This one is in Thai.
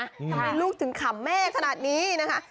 ทำไมลูกถึงขำแม่ขนาดนี้นะคะ